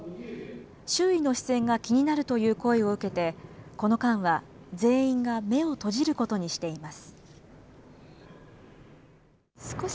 周囲の視線が気になるという声を受けて、この間は、全員が目を閉じることにしています。